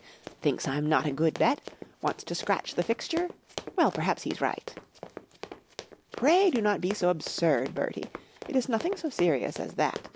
" Thinks I'm not a good bet ? Wants to scratch the fixture ? Well, perhaps he's right." fi Pray do not be so absurd, Bertie, It is nothing so serious as that.